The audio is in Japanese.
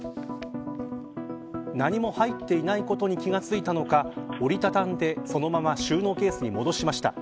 何も入っていないことに気が付いたのか折り畳んでそのまま収納ケースに戻しました。